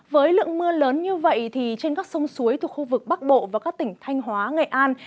với lượng mưa lớn như vậy trên các sông suối thuộc khu vực bắc bộ và các tỉnh thanh hóa nghệ an